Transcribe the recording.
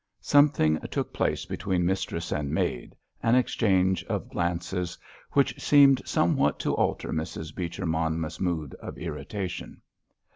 Something took place between mistress and maid—an exchange of glances—which seemed somewhat to alter Mrs. Beecher Monmouth's mood of irritation.